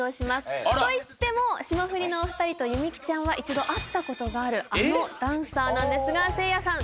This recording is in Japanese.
あら！と言っても霜降りのお二人と弓木ちゃんは一度会ったことがあるあのダンサーなんですがせいやさん